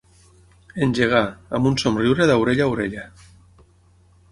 Engegà, amb un somriure d'orella a orella—.